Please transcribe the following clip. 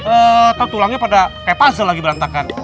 atau tulangnya pada kayak puzzle lagi berantakan